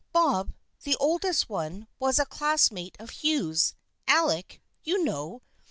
Bob, the oldest one, was a classmate of Hugh's, Alec, you know."